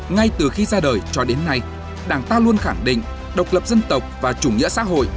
ngay từ khi ra đời cho đến nay đảng ta luôn khẳng định độc lập dân tộc và chủ nghĩa xã hội